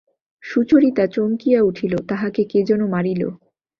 সুচরিতা চমকিয়া উঠিল–তাহাকে কে যেন মারিল।